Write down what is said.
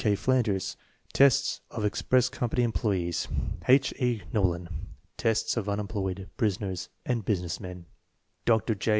K. Flanders (tests of Express Company employ ees); H. E. Knollin (tests of unemployed, prisoners, and businessmen); Dr. J.